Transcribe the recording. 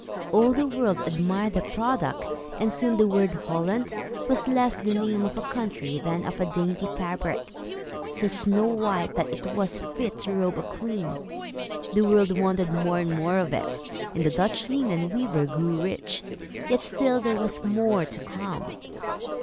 All the world admired the product, and soon the word "Holland" was less the name of a country, than of a dainty fabric, so snow white, that it was fit to robe a queen. The world wanted more and more of it, and the Dutch linen weaver grew rich. Yet still there was more to come.